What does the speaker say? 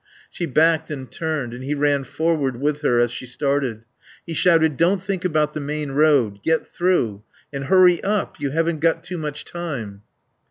She backed and turned and he ran forward with her as she started. He shouted "Don't think about the main road. Get through.... And hurry up. You haven't got too much time."